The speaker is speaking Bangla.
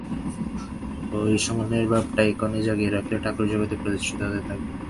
ঐ সমন্বয়ের ভাবটি এখানে জাগিয়ে রাখলে ঠাকুর জগতে প্রতিষ্ঠিত থাকবেন।